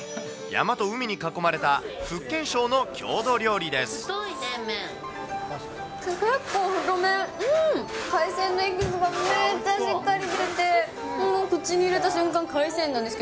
山と海に囲まれた福建省の郷土料理です。